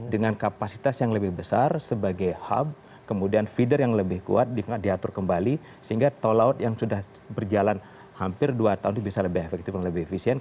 dengan kapasitas yang lebih besar sebagai hub kemudian feeder yang lebih kuat diatur kembali sehingga tol laut yang sudah berjalan hampir dua tahun itu bisa lebih efektif dan lebih efisien